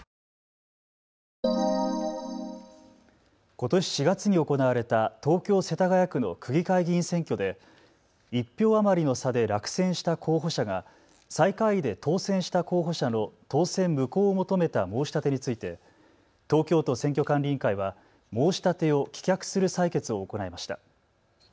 ことし４月に行われた東京世田谷区の区議会議員選挙で１票余りの差で落選した候補者が最下位で当選した候補者の当選無効を求めた申し立てについて、東京都選挙管理委員会は申し立てを棄却する裁決を行いました。